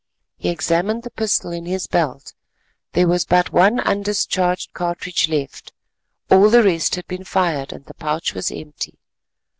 He examined the pistol in his belt; there was but one undischarged cartridge left, all the rest had been fired and the pouch was empty.